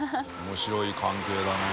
面白い関係だね。